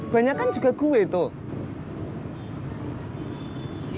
banyak kan juga gue itu